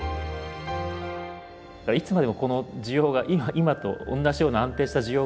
いつまでもこの需要が今と同じような安定した需要があるのかなと。